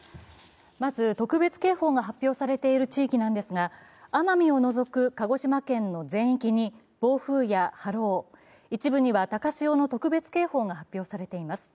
まず、特別警報が発表されている地域なんですが、奄美を除く鹿児島県の全域に暴風や波浪、一部には高潮の特別警報が発表されています。